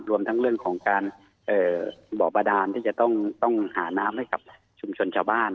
รวมทั้งเรื่องของการบ่อบาดานที่จะต้องหาน้ำให้กับชุมชนชาวบ้าน